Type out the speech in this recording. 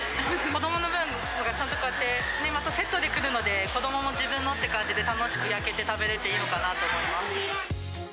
子どもの分がちゃんとこうやってセットで来るので、子どもも自分のっていう感じで、楽しく焼けて食べれていいのかなと思います。